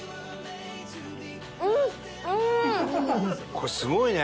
これすごいね！